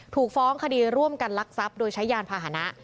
ถูกฟ้องคดีร่วมกันลักทรัพย์โดยใช้ยานพาหนะ